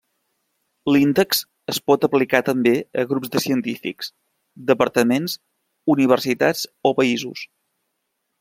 L'índex es pot aplicar també a grups de científics, departaments, universitats o països.